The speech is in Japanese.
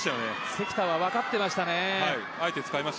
関田は分かっていましたよね。